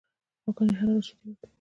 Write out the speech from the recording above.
غواګانې هره ورځ شیدې ورکوي.